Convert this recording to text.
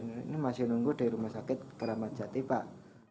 ini masih nunggu di rumah sakit kramatjati pak